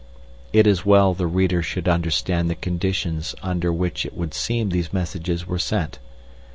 It is well the reader should understand the conditions under which it would seem these messages were sent.